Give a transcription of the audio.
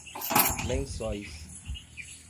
Lençóis